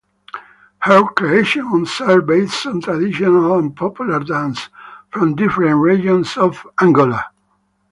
Her creations are based on traditional and popular dances from different regions of Angola.